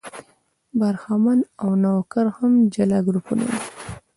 برهمن او نوکر هم جلا ګروپونه دي.